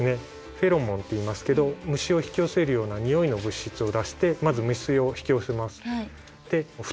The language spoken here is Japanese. フェロモンっていいますけど虫を引き寄せるような匂いの物質を出してまず虫を引き寄せます。